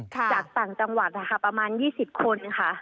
จากต่างจังหวัดนะคะประมาณ๒๐คนค่ะ